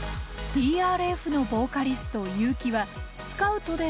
ＴＲＦのボーカリストＹＵ−ＫＩはスカウトで抜擢。